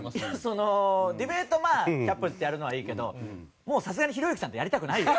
そのディベートまあ百歩譲ってやるのはいいけどもうさすがにひろゆきさんとやりたくないよ。